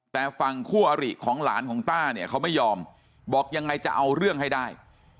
แต่ฝั่งคู่อริของหลานของต้าเนี่ยเขาไม่ยอมบอกยังไงจะเอาเรื่องให้ได้